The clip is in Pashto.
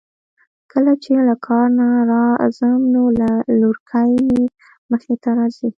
کله چې له کار نه راځم نو لورکۍ مې مخې ته راځی.